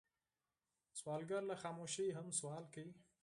سوالګر له خاموشۍ هم سوال کوي